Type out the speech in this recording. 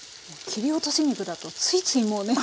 切り落とし肉だとついついもうね。